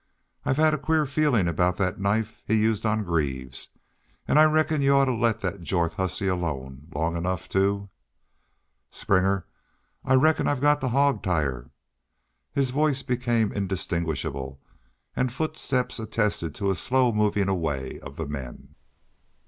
I've had a queer feelin' about thet knife he used on Greaves. An' I reckon y'u'd oughter let thet Jorth hussy alone long enough to " "Springer, I reckon I've got to hawg tie her " His voice became indistinguishable, and footfalls attested to a slow moving away of the men.